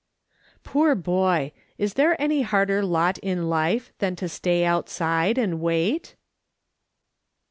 Poor boy ! Is there any harder lot in life than to stay outside and wait